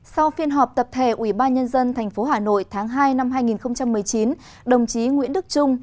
sau phiên họp tập thể ubnd tp hà nội tháng hai năm hai nghìn một mươi chín đồng chí nguyễn đức trung